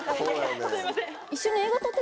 すいません。